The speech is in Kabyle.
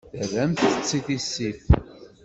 Terramt-tt i tissit.